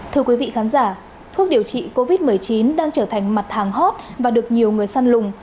thưa quý vị khán giả thuốc điều trị covid một mươi chín đang trở thành mặt hàng hot và được nhiều người săn lùng